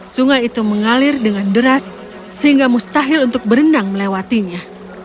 sungai itu mengalir dengan deras sehingga mustahil untuk berenang melewatinya